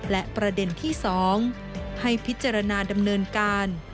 และประเด็นที่๒ให้พิจารณาดำเนินการ